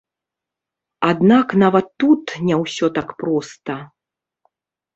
Аднак нават тут не ўсё так проста.